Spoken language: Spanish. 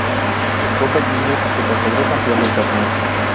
Boca Juniors se consagró campeón del torneo.